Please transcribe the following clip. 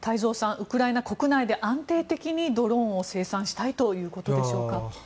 ウクライナ国内で安定的にドローンを製造したいということでしょうか。